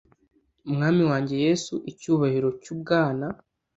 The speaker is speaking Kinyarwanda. Mwami wanjye Yesu icyubahiro cyubwana